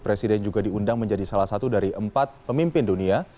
presiden juga diundang menjadi salah satu dari empat pemimpin dunia